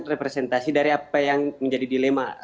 representasi dari apa yang menjadi dilema